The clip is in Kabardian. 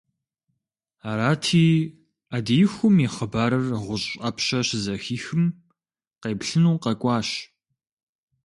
Арати, Ӏэдиихум и хъыбарыр ГъущӀ Ӏэпщэ щызэхихым, къеплъыну къэкӀуащ.